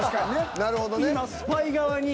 なるほどね。